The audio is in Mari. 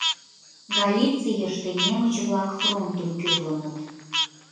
Галицийыште немыч-влак фронтым кӱрлыныт.